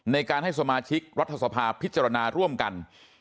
ในการให้สมาชิกรัฐสภาพิจารณาร่วมกัน